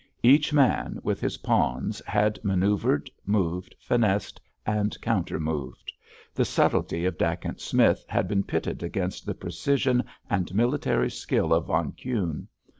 Each man, with his pawns, had manoeuvred, moved, finessed and counter moved. The subtlety of Dacent Smith had been pitted against the precision and military skill of von Kuhne.